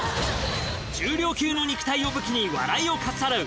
重量級の肉体を武器に笑いをかっさらう。